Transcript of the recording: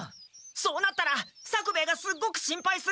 そうなったら作兵衛がすっごく心配する！